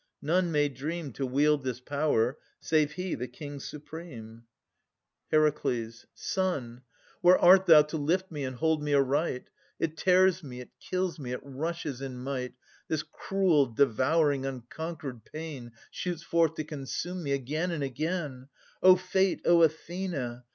None may dream To wield this power, save he, the King supreme. HER. Son! Where art thou to lift me and hold me aright? It tears me, it kills me, it rushes in might, This cruel, devouring, unconquered pain Shoots forth to consume me. Again! again! O Fate! O Athena!